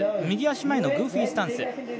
右足前のグーフィースタンス。